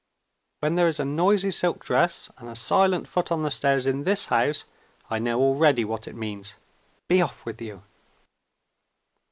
When there is a noisy silk dress and a silent foot on the stairs, in this house, I know already what it means. Be off with you!"